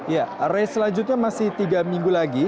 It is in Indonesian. ya race selanjutnya masih tiga minggu lagi